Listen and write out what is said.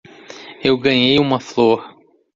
Eu ganhei uma flor.